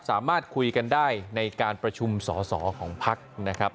สามารถคุยกันได้ในการประชุมสอสอของพักนะครับ